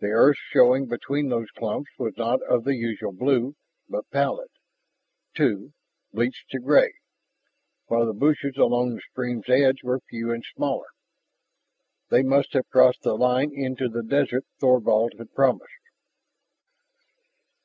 The earth showing between those clumps was not of the usual blue, but pallid, too, bleached to gray, while the bushes along the stream's edge were few and smaller. They must have crossed the line into the desert Thorvald had promised.